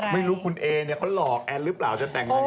ไม่รู้คุณเอเนี่ยเขาหลอกแอนหรือเปล่าจะแต่งยังไง